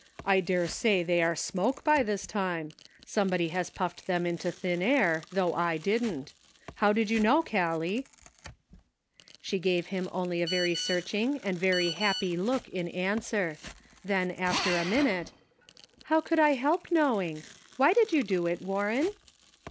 I dare say they are smoke by this time ; somebody has puffed them into thin air, though I didn't. How did you know, Gallic ?" She gave him only a very searching and very happy look in answer; then, after a minute :" How could I help knowing ? Why did you do it, Warren?"